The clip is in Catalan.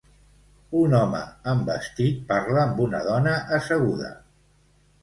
Un home amb vestit parla amb una dona asseguda.